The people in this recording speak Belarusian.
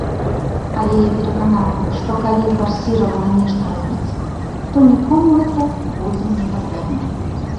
Але я перакананы, што, калі фарсіравана нешта рабіць, то нікому гэта будзе непатрэбна.